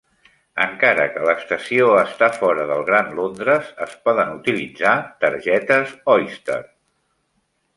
Encara que l'estació està fora del Gran Londres, es poden utilitzar targetes Oyster.